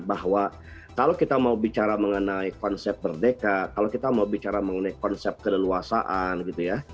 bahwa kalau kita mau bicara mengenai konsep merdeka kalau kita mau bicara mengenai konsep keleluasaan gitu ya